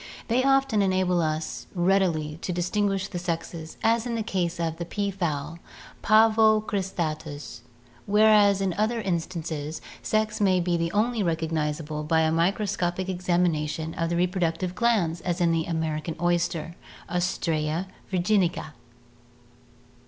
They often enable us readily to distinguish the sexes, as in the case of the pea fowl (Pavo crisUUus) whereas in other instances sexes may be only recognizable by a microscopic examination of the reproductive glands, as in the American oyster (Ostrea virginica).